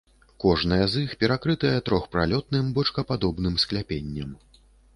Кожная з іх перакрытая трохпралётным бочкападобным скляпеннем.